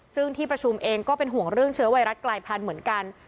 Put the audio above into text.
ซึ่งที่ประชุมเองก็เป็นห่วงเรื่องเชื้อไวรัสกลายพันธุ์เหมือนกัน